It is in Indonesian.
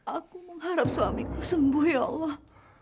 aku mengharap suamiku sembuh ya allah